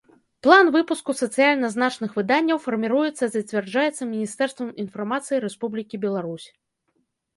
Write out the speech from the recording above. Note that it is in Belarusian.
План выпуску сацыяльна значных выданняў фармiруецца i зацвярджаецца Мiнiстэрствам iнфармацыi Рэспублiкi Беларусь.